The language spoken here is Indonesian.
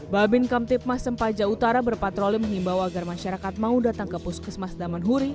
babin kamtipmas sempaja utara berpatroli mengimbau agar masyarakat mau datang ke puskesmas daman huri